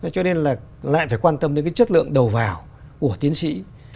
cho nên là lại phải quan tâm đến cái chất lượng đầu vào của tiến sĩ